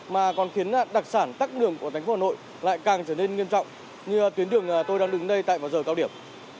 mà còn khiến đặc sản tắt đường của thành phố hà nội lại càng trở nên nghiêm trọng như tuyến đường tôi đang đứng đây tại vào giờ cao điểm